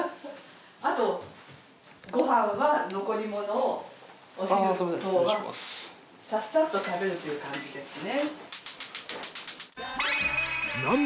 あとご飯は残り物をお昼はサッサっと食べるという感じですね。